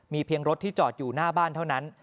เพียงรถที่จอดอยู่หน้าบ้านเท่านั้น